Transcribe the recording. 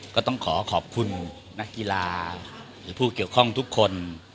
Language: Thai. ก็ต้องขอขอบคุณนักกีฬาหรือผู้เกี่ยวข้องทุกคน